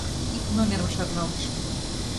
— Ик номерым шарналтышым.